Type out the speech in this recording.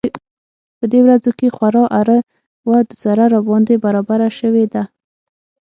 په دې ورځو کې خورا اره و دوسره راباندې برابره شوې ده.